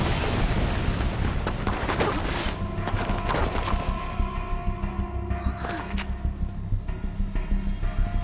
あっ。はっ。